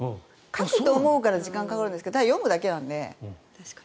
書くと思うから時間がかかるんですけどただ読むだけなので。